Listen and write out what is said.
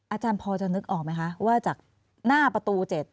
อาจารย์พอจะนึกออกไหมคะว่าจากหน้าประตู๗